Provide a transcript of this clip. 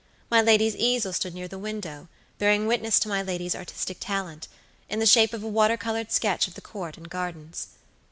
My lady's easel stood near the window, bearing witness to my lady's artistic talent, in the shape of a water colored sketch of the Court and gardens.